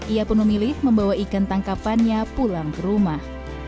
ia pun memilih membawa ikan tangkapannya pulang ke rumah